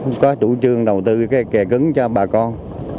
cũng có chủ trương đầu tư cái kè cứng cho bà con